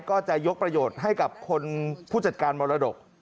ก็จะยกประโยชน์ให้กับคนผู้จัดการมรดก